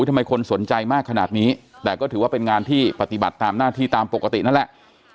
ทำไมคนสนใจมากขนาดนี้แต่ก็ถือว่าเป็นงานที่ปฏิบัติตามหน้าที่ตามปกตินั่นแหละ